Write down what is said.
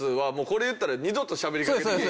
これ言ったら二度としゃべりかけてけえへん。